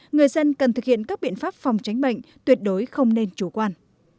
người dân cần thực hiện các biện pháp phòng tránh bệnh tuyệt đối không nên chủ quan